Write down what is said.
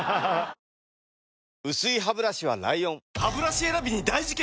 薄いハブラシは ＬＩＯＮハブラシ選びに大事件！